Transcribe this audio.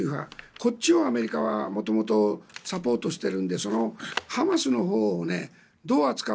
こっちをアメリカは元々サポートしているのでそのハマスのほうをどう扱うか。